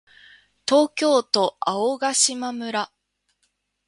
東京都青ヶ島村